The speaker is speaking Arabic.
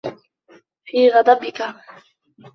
فِي غَضَبِك